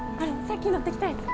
さっき乗ってきたやつ。